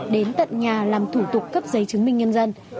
đến tận nhà làm thủ tục cấp giấy chứng minh nhân dân